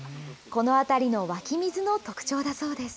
この辺りの湧き水の特徴だそうです。